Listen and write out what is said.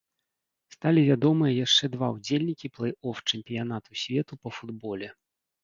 Сталі вядомыя яшчэ два ўдзельнікі плэй-оф чэмпіянату свету па футболе.